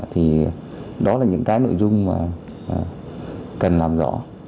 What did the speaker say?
thì đó là những cái nội dung mà cần làm rõ